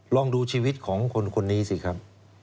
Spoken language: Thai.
ลองดูชีวิตของคนนี้สิครับ